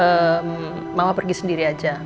eh mama pergi sendiri aja